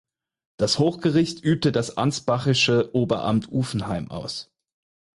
Das Hochgericht übte das ansbachische Oberamt Uffenheim aus.